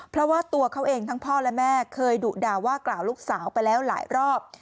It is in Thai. เพราะว่าตัวเขาเองทั้งพ่อและแม่เคยดุด่าว่ากล่าวลูกสาวไปแล้วหลายรอบ